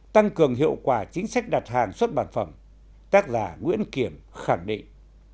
tăng cường hiệu quả chính sách đặt hàng xuất bản phẩm tác giả nguyễn kiểm khẳng định